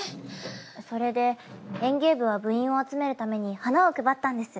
それで園芸部は部員を集めるために花を配ったんです。